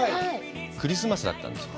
クリスマスだったんですよ。